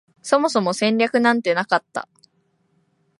そもそも戦略なんてなかった